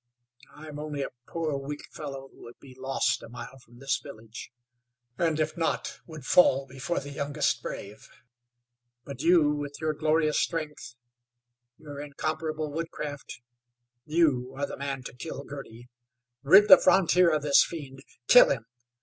I am only a poor, weak fellow who would be lost a mile from this village, and if not, would fall before the youngest brave. But you with your glorious strength, your incomparable woodcraft, you are the man to kill Girty. Rid the frontier of this fiend. Kill him!